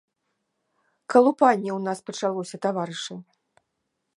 Калупанне ў нас пачалося, таварышы!